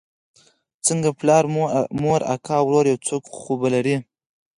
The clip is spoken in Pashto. څنگه پلار مور اکا ورور يو څوک خو به لرې.